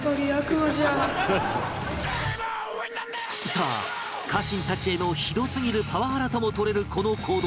さあ家臣たちへのひどすぎるパワハラとも取れるこの行動